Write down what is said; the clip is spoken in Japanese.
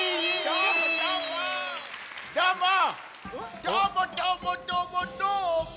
どーもどーもどーもどーも！